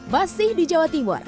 masih di jawa timur